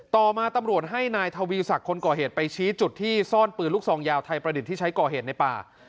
ต่อมาตำรวจให้นายทวีศักดิ์คนก่อเหตุไปชี้จุดที่ซ่อนปืนลูกซองยาวไทยประดิษฐ์ที่ใช้ก่อเหตุในป่า